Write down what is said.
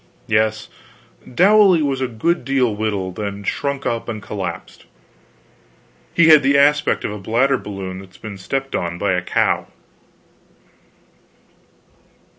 Yes, Dowley was a good deal wilted, and shrunk up and collapsed; he had the aspect of a bladder balloon that's been stepped on by a cow.